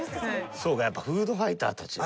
そうかやっぱフードファイターたちは。